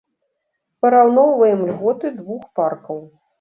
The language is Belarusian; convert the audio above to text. Параўноўваем льготы двух паркаў.